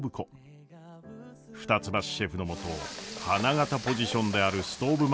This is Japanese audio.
二ツ橋シェフのもと花形ポジションであるストーブ